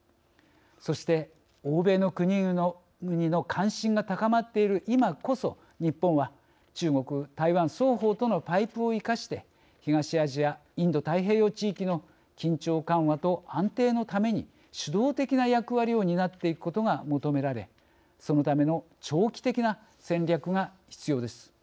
そして、欧米の国々の関心が高まっている今こそ日本は中国・台湾双方とのパイプをいかして東アジア、インド太平洋地域の緊張緩和と安定のために主導的な役割を担って行くことが求められそのための長期的な戦略が必要です。